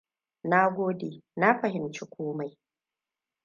Na gode, na fahimci komai.